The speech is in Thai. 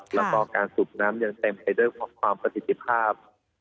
แล้วก็การสูบน้ำยังเต็มไปด้วยความประสิทธิภาพ